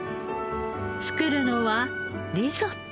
作るのはリゾット。